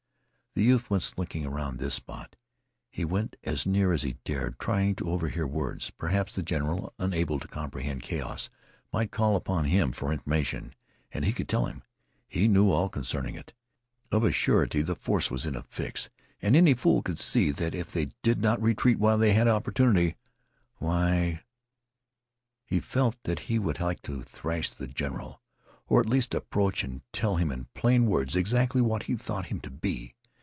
The youth went slinking around this spot. He went as near as he dared trying to overhear words. Perhaps the general, unable to comprehend chaos, might call upon him for information. And he could tell him. He knew all concerning it. Of a surety the force was in a fix, and any fool could see that if they did not retreat while they had opportunity why He felt that he would like to thrash the general, or at least approach and tell him in plain words exactly what he thought him to be.